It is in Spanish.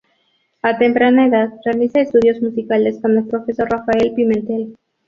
A temprana edad realiza estudios musicales con el profesor Rafael Pimentel.